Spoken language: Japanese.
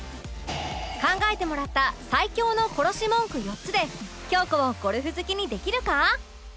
考えてもらった最強の殺し文句４つで京子をゴルフ好きにできるか！？